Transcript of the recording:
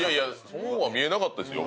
そうは見えなかったですよ。